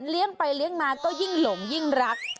เลี้ยงไปเลี้ยงมาก็ยิ่งหลงยิ่งรัก